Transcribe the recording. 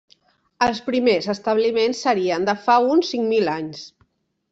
Els primers establiments serien de fa uns cinc mil anys.